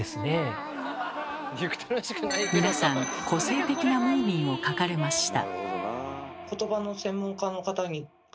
皆さん個性的なムーミンを描かれました。